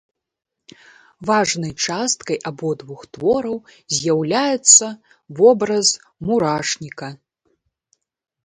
Важнай часткай абодвух твораў з'яўляецца вобраз мурашніка.